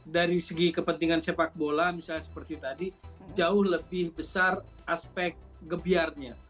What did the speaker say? dari segi kepentingan sepak bola misalnya seperti tadi jauh lebih besar aspek gebiarnya